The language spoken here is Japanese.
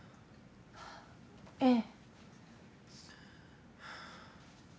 ええ。